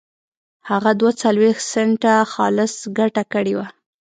هغه دوه څلوېښت سنټه خالصه ګټه کړې وه.